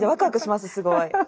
すごい。